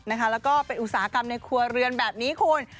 แล้วก็เป็นอุตสาหกรรมในครัวเรือนแบบนี้คุณ